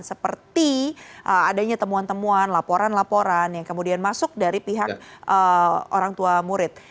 seperti adanya temuan temuan laporan laporan yang kemudian masuk dari pihak orang tua murid